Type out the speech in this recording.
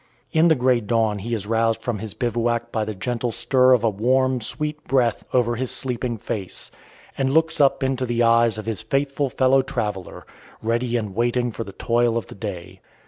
In the gray dawn he is roused from his bivouac by the gentle stir of a warm, sweet breath over his sleeping face, and looks up into the eyes of his faithful fellow traveller, ready and waiting for the toil of the day.